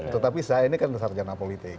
tetapi saya ini kan sarjana politik